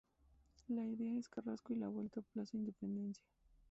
La ida es Carrasco y la vuelta Plaza Independencia.